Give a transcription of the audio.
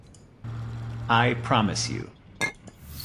I promise you.